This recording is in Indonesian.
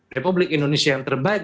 republik indonesia yang terbaik